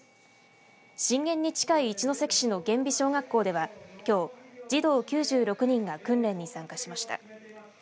震源に近い一関市の厳美小学校では、きょう児童９６人が訓練に参加しました。